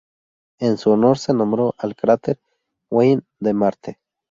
En su honor se nombró al cráter Wien de Marte.